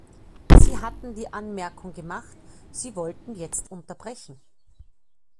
Sie hatten die Anmerkung gemacht, Sie wollten jetzt unterbrechen.